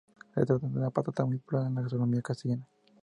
Se trata de una patata muy popular en la gastronomía castellana.